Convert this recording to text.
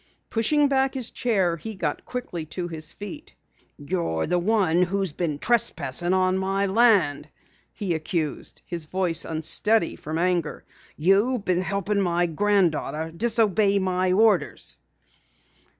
Pushing back his chair he got quickly to his feet. "You're the one who has been trespassing on my land!" he accused, his voice unsteady from anger. "You've been helping my granddaughter disobey my orders!"